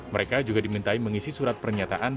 mereka juga dimintai mengisi surat pernyataan